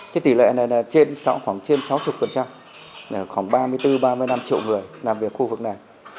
cái tỷ lệ này là khoảng trên sáu mươi khoảng ba mươi bốn ba mươi năm triệu người làm việc khu vực này